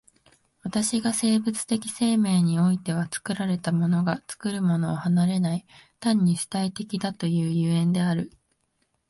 私が生物的生命においては作られたものが作るものを離れない、単に主体的だという所以である。